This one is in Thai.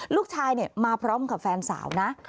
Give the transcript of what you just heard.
ลูกชายมาพร้อมกับแฟนสาวนะ